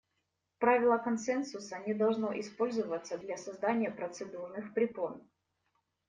Правило консенсуса не должно использоваться для создания процедурных препон.